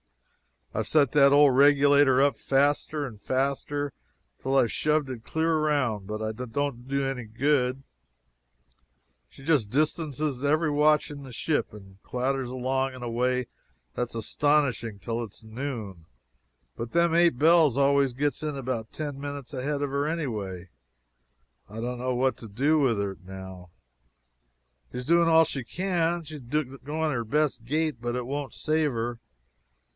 I've set that old regulator up faster and faster, till I've shoved it clear around, but it don't do any good; she just distances every watch in the ship, and clatters along in a way that's astonishing till it is noon, but them eight bells always gets in about ten minutes ahead of her anyway. I don't know what to do with her now. She's doing all she can she's going her best gait, but it won't save her.